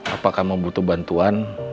apakah kamu butuh bantuan